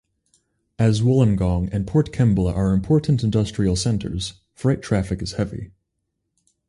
As Wollongong and Port Kembla are important industrial centres, freight traffic is heavy.